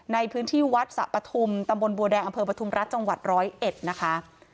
ในพื้นที่วัดสระปธุมตำบลบัวแดงอปธุมรัฐจร้อยเอ็ดนะคะ